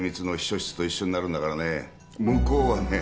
向こうはね